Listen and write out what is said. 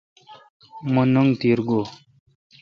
مہ ننگ تیرا گو°